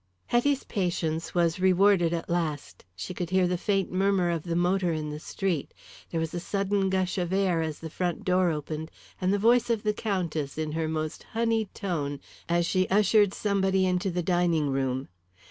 Hetty's patience was rewarded at last. She could hear the faint murmur of the motor in the street; there was a sudden gush of air as the front door opened, and the voice of the Countess in her most honeyed tones as she ushered somebody into the dining room.